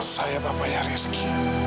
saya bapak yang rezeki